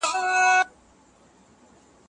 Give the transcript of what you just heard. وزیران پارلمان ته استیضاح کیدل.